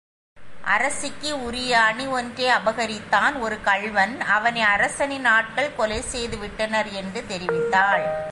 அரசிக்கு உரிய அணி ஒன்றை அபகரித்தான் ஒரு கள்வன் அவனை அரசனின் ஆட்கள் கொலைசெய்து விட்டனர் என்று தெரிவித்தாள்.